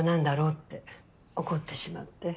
って怒ってしまって。